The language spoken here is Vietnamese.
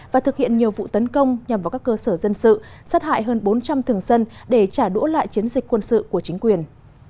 và thực hiện nhiều vụ tấn công nhằm vào các cơ sở dân sự sát hại hơn bốn trăm linh thường dân để trả đũa lại chiến dịch quân sự của chính quyền